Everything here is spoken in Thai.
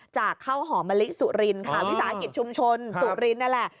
จากข้าวหอมมะลิสุรินค่ะวิสาหกิจชุมชนสุรินนั่นแหละ